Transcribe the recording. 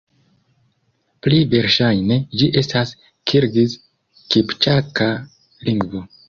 Pli verŝajne, ĝi estas kirgiz-kipĉaka lingvo.